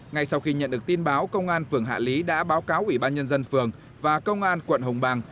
ngay sau khi nhận được tin báo công an phường hạ lý đã báo cáo ủy ban nhân dân phường và công an quận hồng bàng